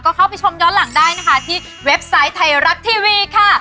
ก็เข้าไปชมย้อนหลังได้นะคะที่เว็บไซต์ไทยรัฐทีวีค่ะ